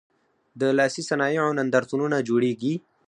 د لاسي صنایعو نندارتونونه جوړیږي؟